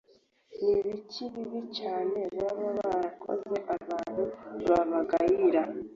ni ibiki bibi cyane baba barakoze abantu babagayira